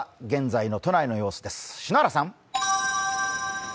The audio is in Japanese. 現在の都内の様子です、篠原さん。